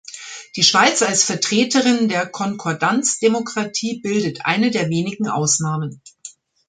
Die Schweiz als Vertreterin der Konkordanzdemokratie bildet eine der wenigen Ausnahmen.